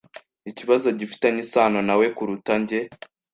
Ikibazo gifitanye isano nawe kuruta njye.